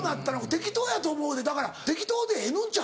適当やと思うねんだから適当でええのんちゃう？